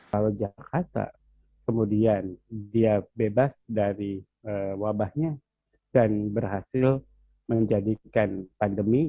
kalau jakarta kemudian dia bebas dari wabahnya dan berhasil menjadikan pandemi